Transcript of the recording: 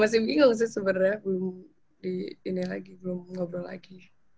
masih bingung sih sebenarnya belum di ini lagi belum ngobrol lagi